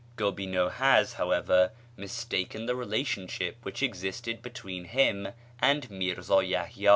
Gobineau has, however, mistaken the relationship which existed between him and Mírzá Yahyá.